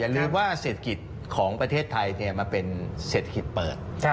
อย่าลืมว่าเศรษฐกิจของประเทศไทยเนี่ยมันเป็นเศรษฐกิจเปิด